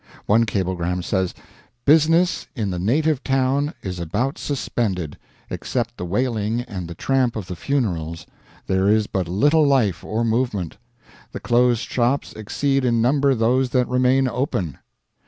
One cablegram says, "Business in the native town is about suspended. Except the wailing and the tramp of the funerals. There is but little life or movement. The closed shops exceed in number those that remain open."